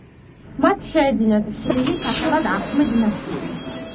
მათ შეეძინათ შვილი სახელად აჰმედ ნასირი.